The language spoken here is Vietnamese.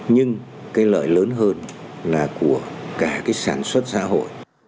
nhưng cái lợi lớn hơn là của cả cái sản xuất xã hội